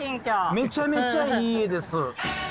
めちゃめちゃいい家です。